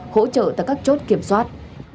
hỗ trợ tại các chốt kiểm soát